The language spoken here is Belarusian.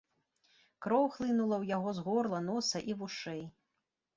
Кроў хлынула ў яго з горла, носа і вушэй.